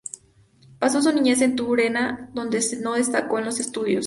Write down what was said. Pasó su niñez en Turena, donde no destacó en los estudios.